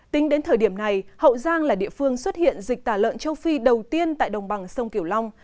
tính đến thời điểm này hậu giang là địa phương xuất hiện dịch tả lợn châu phi đầu tiên tại đồng bằng sông kiểu long